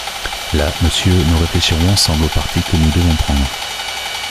Là, monsieur, nous réfléchirons ensemble au parti que nous devons prendre.